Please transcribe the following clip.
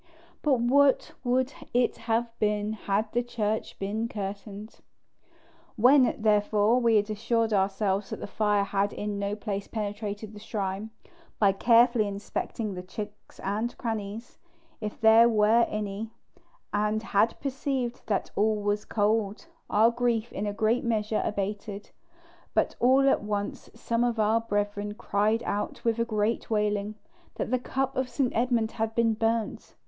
But what would it have been had the church been curtained? When, therefore, we had assured ourselves that the fire had in no place penetrated the shrine, by carefully inspecting the chinks and crannies, if there were any, and had perceived that all was cold, our grief in a great measure abated: but all at once some of our brethren cried out with a great wailing, that the cup of St. Edmund had been burnt.